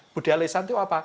budaya lesan itu apa